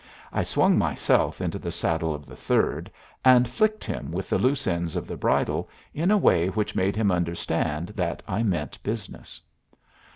I swung myself into the saddle of the third, and flicked him with the loose ends of the bridle in a way which made him understand that I meant business.